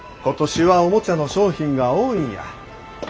今年はおもちゃの賞品が多いんや。